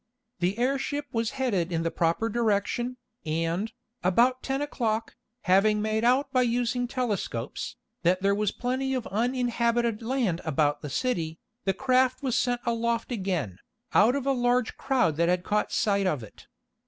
The airship was headed in the proper direction, and, about ten o'clock, having made out by using telescopes, that there was plenty of uninhabited land about the city, the craft was sent aloft again, out of a large crowd that had caught sight of it.